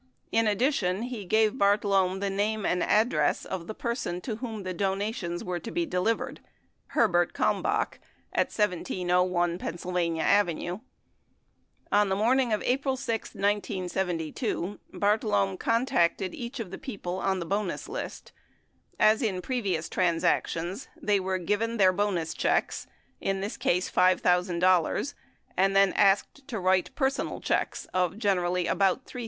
In addition, he gave Bartlome the name and address of the person to whom the dona tions were to be delivered — Herbert Kalmbach at 1701 Pennsylvania Avenue. On the morning of April 6, 1972, Bartlome contacted each of the people on the bonus list. As in previous transactions, they were given their bonus checks— in this case $5,000 — and asked to write personal •checks of generally about $3,000.